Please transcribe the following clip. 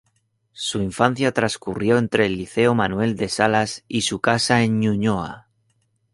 Su infancia transcurrió entre el Liceo Manuel de Salas y su casa en Ñuñoa.